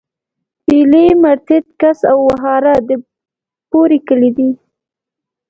ډيلی، مرتت، کڅ او وهاره د بوري کلي دي.